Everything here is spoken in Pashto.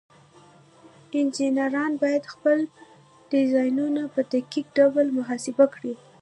انجینران باید خپل ډیزاینونه په دقیق ډول محاسبه کړي.